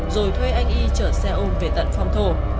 rồi thuê anh y chở xe ôm về tận phong thổ